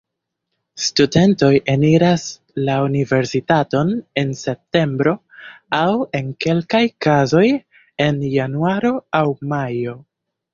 Studentoj eniras la universitaton en septembro, aŭ, en kelkaj kazoj, en januaro aŭ majo.